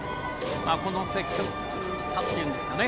この積極さ、というんですかね。